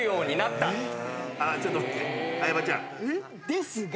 「ですが！」